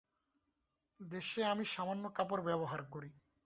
দেশে আমি সামান্য কাপড় ব্যবহার করি।